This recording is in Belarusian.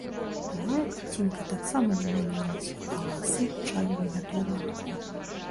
Другая карцінка таксама не мянялася, а галасы гучалі невядома адкуль.